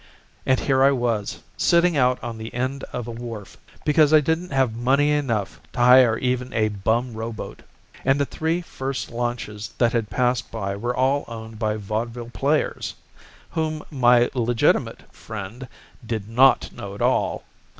And here I was sitting out on the end of a wharf because I didn't have money enough to hire even a bum rowboat. And the three first launches that had passed by were all owned by Vaudeville players whom my legitimate friend 'did not know at all.'